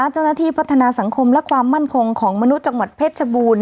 เจ้าหน้าที่พัฒนาสังคมและความมั่นคงของมนุษย์จังหวัดเพชรชบูรณ